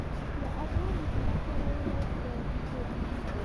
له افغان حکومت سره یې له ګاونډیتوب